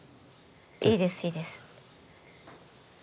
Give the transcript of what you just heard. いいですいいです。